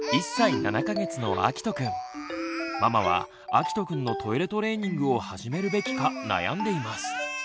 ママはあきとくんのトイレトレーニングを始めるべきか悩んでいます。